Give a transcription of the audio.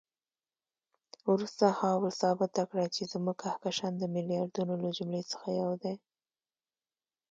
وروسته هابل ثابته کړه چې زموږ کهکشان د میلیاردونو له جملې یو دی.